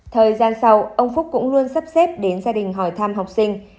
thời gian sau ông phúc cũng luôn sắp xếp đến gia đình hỏi thăm học sinh